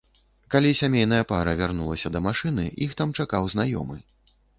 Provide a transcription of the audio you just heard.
Калі сямейная пара вярнулася да машыны, іх там чакаў знаёмы.